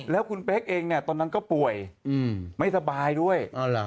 แล้วคุณเป๊กเองเนี่ยตอนนั้นก็ป่วยไม่สบายด้วย